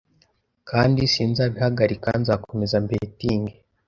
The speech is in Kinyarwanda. kandi sinzabihagarika nzakomeza mbetinge